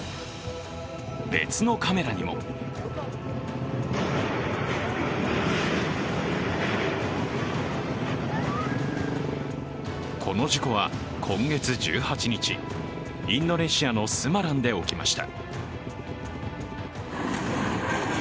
別のカメラにもこの事故は今月１８日、インドネシアのスマランで起きました。